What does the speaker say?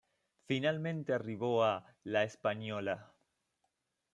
Finalmente arribó a La Española.